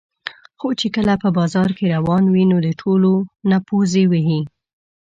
خر چې کله په بازار کې روان وي، نو د ټولو نه پوزې وهي.